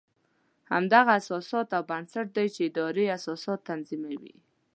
همدغه اساس او بنسټ دی چې ادارې اساسات تنظیموي.